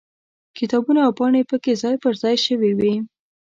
کتابونه او پاڼې پکې ځای پر ځای شوي وي.